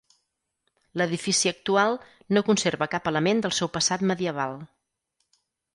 L'edifici actual no conserva cap element del seu passat medieval.